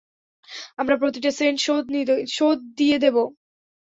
আমরা প্রতিটা সেন্ট শোধ দিয়ে দেব।